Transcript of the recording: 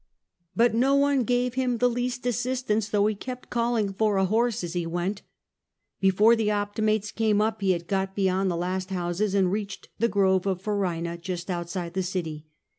But no one gave him the least assistance, though he kept calling for a horse as he went. Before the Optimates came up, he had got beyond the last houses, and reached the Grove of Purina, just outside the city.